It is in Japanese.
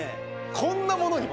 こんなものにも！